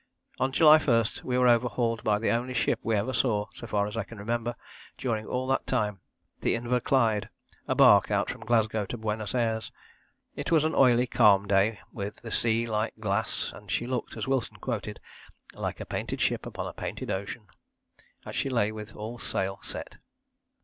On July 1 we were overhauled by the only ship we ever saw, so far as I can remember, during all that time, the Inverclyde, a barque out from Glasgow to Buenos Ayres. It was an oily, calm day with a sea like glass, and she looked, as Wilson quoted, "like a painted ship upon a painted ocean," as she lay with all sail set.